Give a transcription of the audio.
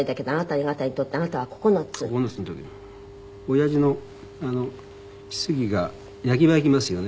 親父のひつぎが焼き場行きますよね。